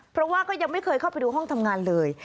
เพราะว่าก็ยังไม่เคยเข้าไปดูห้องทำงานเลย